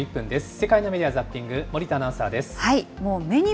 世界のメディア・ザッピング、森田アナウンサーです。